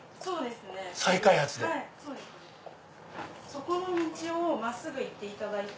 そこの道を真っすぐ行っていただいて。